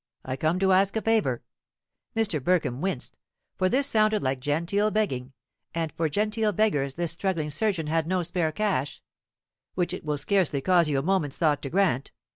I come to ask a favour" Mr. Burkham winced, for this sounded like genteel begging, and for genteel beggars this struggling surgeon had no spare cash "which it will scarcely cause you a moment's thought to grant.